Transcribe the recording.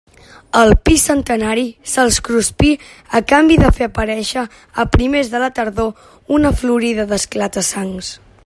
El pi centenari se'ls cruspí a canvi de fer aparéixer a primers de la tardor una florida d'esclata-sangs.